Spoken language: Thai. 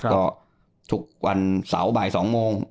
ก็ทุกวันเสาร์บ่าย๒โมง